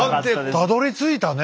たどりついたねえ。